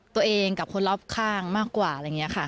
ตัวเองกับคนรอบข้างมากกว่าอะไรอย่างนี้ค่ะ